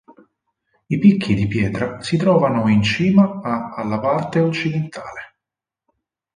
I picchi di pietra si trovano in cima a alla parte occidentale.